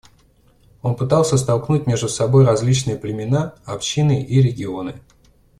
Он пытался столкнуть между собой различные племена, общины и регионы.